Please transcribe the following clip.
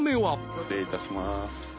失礼いたします。